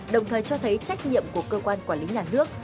đồng thời cho thấy trách nhiệm của cơ quan quản lý nhà nước